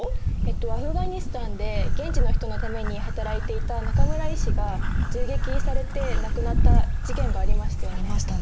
アフガニスタンで現地の人のために働いていた中村医師が銃撃されて亡くなった事件がありましたよね。